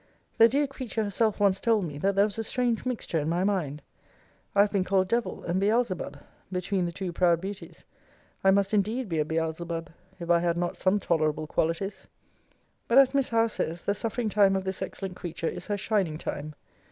The dear creature herself once told me, that there was a strange mixture in my mind.* I have been called Devil and Beelzebub, between the two proud beauties: I must indeed be a Beelzebub, if I had not some tolerable qualities. * See Vol. III. Letter XXXIII. But as Miss Howe says, the suffering time of this excellent creature is her shining time.